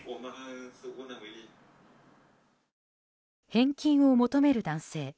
返金を求める男性